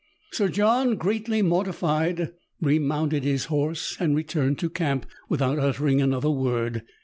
Sir John, greatly mortified, remounted his horse, and returned to camp, without uttering another word.